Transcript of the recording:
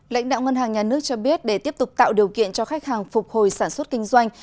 lãnh đạo ngân hàng nhà nước cho biết để tiếp tục tạo điều kiện cho khách hàng phục hồi sản xuất kinh doanh